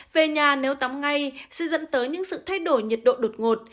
về nhà nếu tắm ngay sẽ dẫn tới những sự thay đổi nhiệt độ đột ngột